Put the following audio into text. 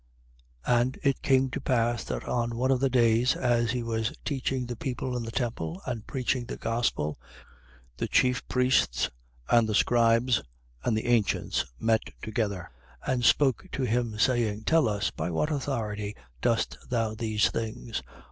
20:1. And it came to pass that on one of the days, as he was teaching the people in the temple and preaching the gospel, the chief priests and the scribes, with the ancients, met together, 20:2. And spoke to him, saying: Tell us, by what authority dost thou these things?